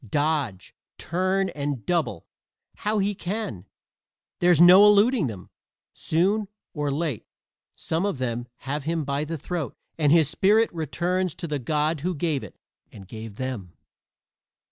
Dodge, turn and double how he can, there's no eluding them; soon or late some of them have him by the throat and his spirit returns to the God who gave it and gave them.